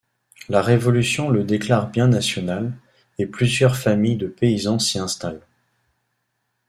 La Révolution le déclare bien national, et plusieurs familles de paysans s'y installent.